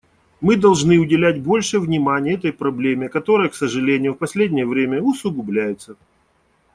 Мы должны уделять больше внимания этой проблеме, которая, к сожалению, в последнее время усугубляется.